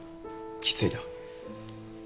きついな。